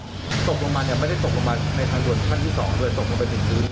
ตกลงมาเนี่ยไม่ได้ตกลงมาในทางด่วนขั้นที่๒เลยตกลงไปถึงพื้น